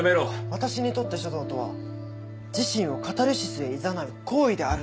「私にとって書道とは自身をカタルシスへいざなう行為であるのだ」